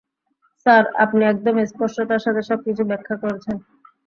Sir, আপনি একদম স্পষ্টতার সাথে সবকিছু ব্যাখ্যা করেছেন।